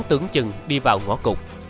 vụ án tưởng chừng đi vào ngõ cục